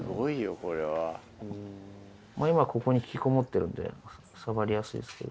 今ここに引きこもってるんで触りやすいですけど。